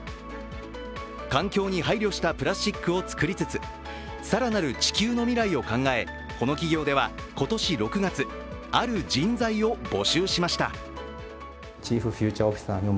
環境に配慮したプラスチックを作りつつ、更なる地球の未来を考え、この企業では今年６月、ある人材を募集しました。